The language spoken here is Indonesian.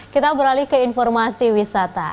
kita beralih ke informasi wisata